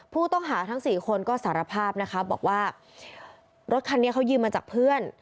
ผู้ต้องหาทั้งสี่คนก็สารภาพนะคะบอกว่ารถคันนี้เขายืมมาจากเพื่อน